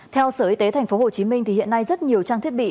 theo sở y tế tp hcm hiện nay rất nhiều trang thiết bị